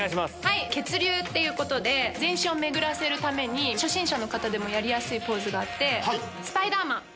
血流っていうことで全身を巡らせるために初心者の方でもやりやすいポーズがあって。